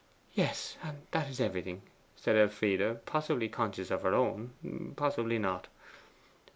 'Yes; and that is everything,' said Elfride, possibly conscious of her own, possibly not.